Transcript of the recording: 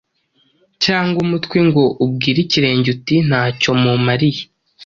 cyangwa umutwe ngo ubwire ibirenge uti ‘nta cyo mumariye.’